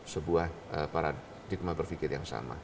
sebuah paradigma berpikir yang sama